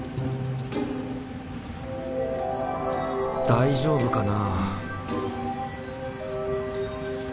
大丈夫かな？